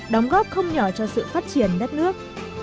đóng góp không nhỏ cho sự phát triển đất nước